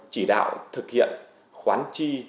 chỉ đạo thực hiện khoán chi